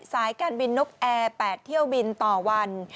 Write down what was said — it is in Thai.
สายการบินนกแอร์๘เที่ยวบินต่อวัน